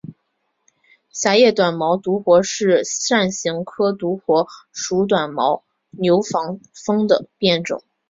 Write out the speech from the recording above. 狭叶短毛独活是伞形科独活属短毛牛防风的变种。